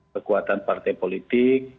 kekuatan partai politik